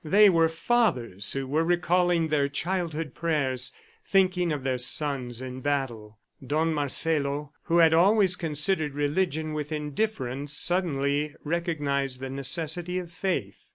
They were fathers who were recalling their childhood prayers, thinking of their sons in battle. Don Marcelo, who had always considered religion with indifference, suddenly recognized the necessity of faith.